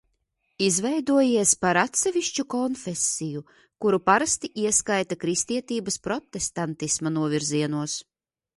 Izveidojies par atsevišķu konfesiju, kuru parasti ieskaita kristietības protestantisma novirzienos.